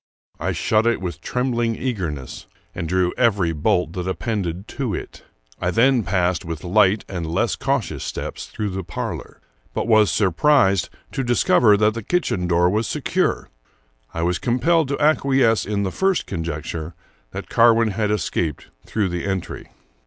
I shut it with trembling eagerness, and drew every bolt that appended to it. I then passed with light and less cautious steps through the parlor, but was surprised to discover that the kitchen door was secure. I was com pelled to acquiesce in the first conjecture that Carwin had escaped through the entry.